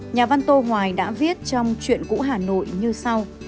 nhà văn tô hoài đã viết trong chuyện cũ hà nội như sau